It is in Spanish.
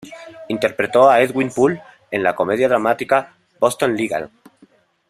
Interpretó a Edwin Poole en la comedia dramática Boston Legal.